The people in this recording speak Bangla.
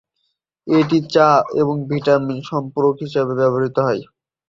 এটি চা এবং ভিটামিন সম্পূরক হিসাবেও ব্যবহৃত হয়।